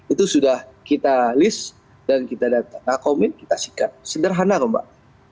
itu sudah kita list dan kita datang komit kita sikat sederhana lho mbak